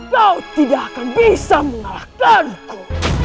kau tidak akan bisa mengalahkanku